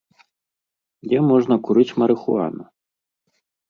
Дзе можна курыць марыхуану?